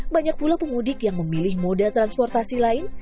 banyak pula pemudik yang memilih moda transportasi lain